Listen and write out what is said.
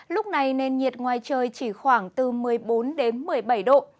lúc này nền nhiệt ngoài trời chỉ khoảng từ một mươi bốn đến một mươi bảy độ